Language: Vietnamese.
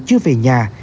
chưa về nhà